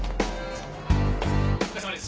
お疲れさまです。